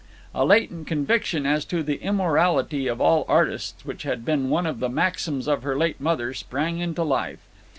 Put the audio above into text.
A latent conviction as to the immorality of all artists, which had been one of the maxims of her late mother, sprang into life.